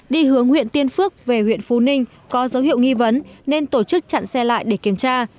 đi hướng huyện tiên phước về huyện phú ninh có dấu hiệu nghi vấn nên tổ chức chặn xe lại để kiểm tra